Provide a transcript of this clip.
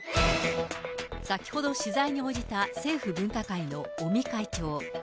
先ほど取材に応じた、政府分科会の尾身会長。